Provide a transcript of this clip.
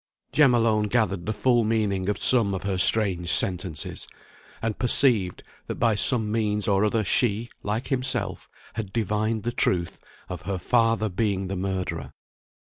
Jem alone gathered the full meaning of some of her strange sentences, and perceived that by some means or other she, like himself, had divined the truth of her father being the murderer.